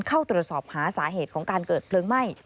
เข้าตรวจสอบหาสาเหตุของการเกิดเพลิงไหม้